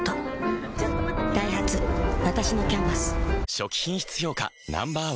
初期品質評価Ｎｏ．１